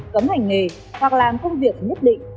cấm hành nghề hoặc làm công việc nhất định